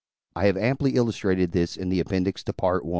I have amply illustrated this in the Appendix to Part I.